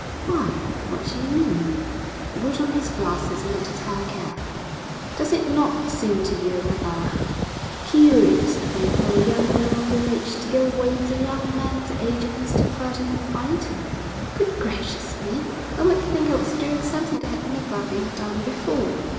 'Why what do you mean?' He put on his glasses and looked at her carefully. 'Does it not seem to you a rather curious thing for a young girl of your age to go away with a young man of the age of Mr Ferdinand White?' 'Good gracious me! One would think I was doing something that had never been done before!'